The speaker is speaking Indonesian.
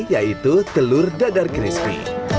yaitu telur dadar crispy